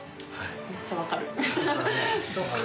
めっちゃ分かる同感。